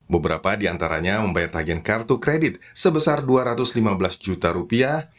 beberapa di antaranya membayar tagihan kartu kredit sebesar dua ratus lima belas juta rupiah